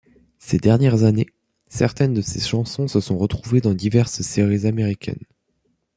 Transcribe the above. Ces dernières années, certaines de ses chansons se sont retrouvées dans diverses séries américaines.